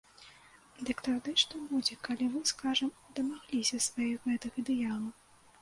Дык тады што будзе, калі вы, скажам, дамагліся сваіх гэтых ідэалаў?